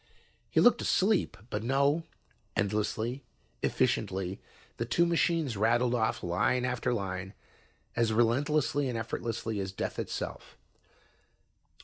He looked asleep, but no; endlessly, efficiently, the two machines rattled off line after line, as relentlessly and effortlessly as death itself.